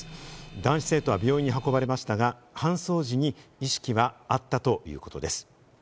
男子生徒は病院に運ばれましたが、搬送時に意識はあったということです。